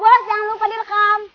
bobos jangan lupa direkam